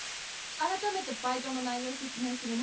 あらためてバイトの内容説明するね。